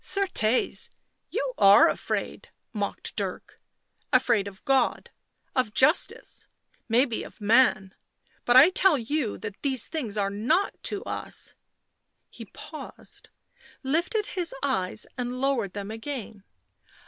" Certes ! you are afraid," mocked Dirk. " Afraid of God, of justice, maybe of man — but I tell you that these things are nought to us." He paused, lifted his eyes and lowered them again.